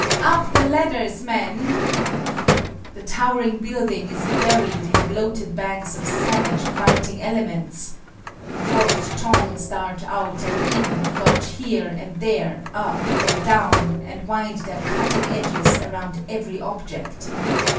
"Up the ladders, men!" The towering building is buried in bloated banks of savage, biting elements. Forked tongues dart out and in, dodge here and there, up and down, and wind their cutting edges around every object.